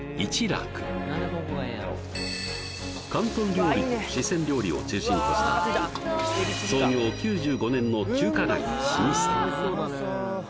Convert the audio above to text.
楽広東料理と四川料理を中心とした創業９５年の中華街の老舗